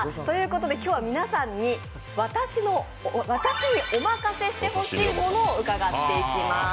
今日は皆さんに、私におまかせしてほしいものを伺っていきます。